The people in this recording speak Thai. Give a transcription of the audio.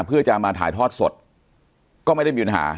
เพื่อจะมาถ่ายทอดสดก็ไม่ได้มีปัญหา